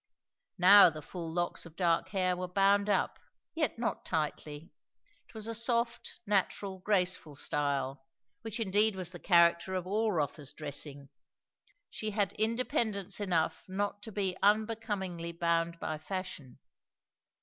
Now the full locks of dark hair were bound up, yet not tightly; it was a soft, natural, graceful style, which indeed was the character of all Rotha's dressing; she had independence enough not to be unbecomingly bound by fashion.